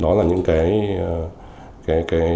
đó là những nhóm nhà đầu tư nước ngoài đến việt nam